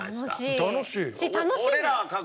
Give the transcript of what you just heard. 楽しいよ。